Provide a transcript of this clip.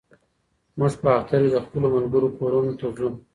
موږ په اختر کې د خپلو ملګرو کورونو ته ځو.